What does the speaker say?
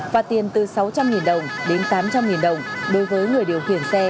phạt tiền từ sáu trăm linh đồng đến tám trăm linh đồng đối với người điều khiển xe